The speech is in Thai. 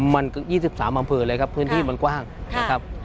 มัน๒๓อำเภอเลยครับพื้นที่มันกว้างนะครับ